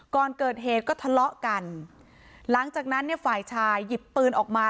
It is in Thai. ก่อนเกิดเหตุก็ทะเลาะกันหลังจากนั้นเนี่ยฝ่ายชายหยิบปืนออกมา